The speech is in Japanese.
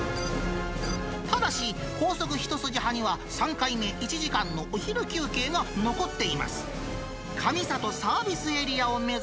ただし、高速一筋派には３回目、１時間のお昼休憩が残っています。